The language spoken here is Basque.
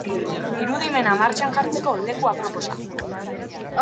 Irudimena martxan jartzeko leku aproposa!